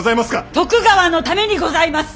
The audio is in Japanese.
徳川のためにございます。